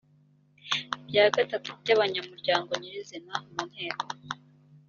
bya gatatu by abanyamuryango nyirizina mu nteko